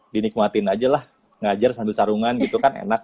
dinikmatin ajalah ngajar sambil sarungan gitu kan enak